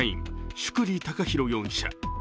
宿利貴宏容疑者